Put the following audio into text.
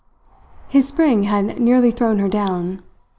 His spring had nearly thrown her down.